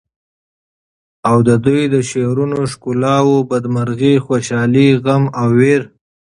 او ددوی د شعرونو د ښکلاوو بد مرغي، خوشالی، غم او وېر